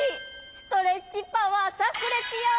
ストレッチパワーさくれつよ！